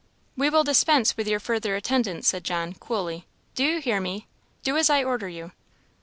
"We will dispense with your further attendance," said John, coolly. "Do you hear me? do as I order you!"